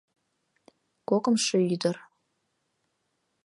Кокымшо ӱдыр.